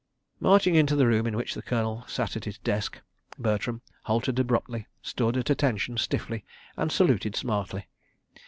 ... Marching into the room in which the Colonel sat at his desk, Bertram halted abruptly, stood at attention stiffly, and saluted smartly.